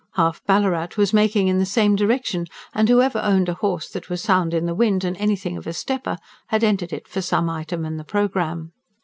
Half Ballarat was making in the same direction; and whoever owned a horse that was sound in the wind and anything of a stepper had entered it for some item on the programme.